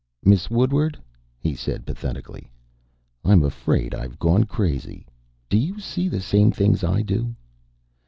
"Miss Woodward," he said pathetically, "I'm afraid I've gone crazy. Do you see the same things I do?"